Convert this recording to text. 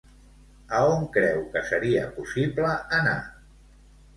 A on creu que seria possible anar?